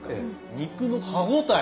肉の歯応え。